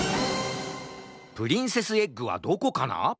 プリンセスエッグはどこかな？